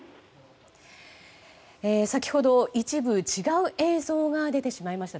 先ほど、一部違う映像が出てしまいました。